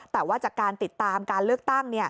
แต่ว่าจากการติดตามการเลือกตั้ง